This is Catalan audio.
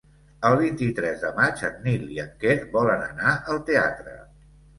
El vint-i-tres de maig en Nil i en Quer volen anar al teatre.